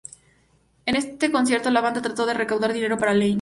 En este concierto, la banda trató de recaudar dinero para Lane.